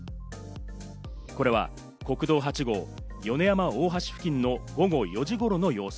これは国道８号米山大橋付近の午後４時頃の様子。